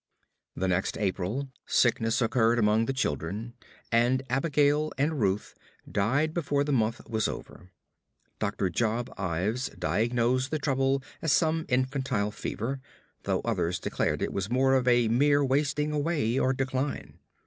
The next April, sickness occurred among the children, and Abigail and Ruth died before the month was over. Doctor Job Ives diagnosed the trouble as some infantile fever, though others declared it was more of a mere wasting away or decline.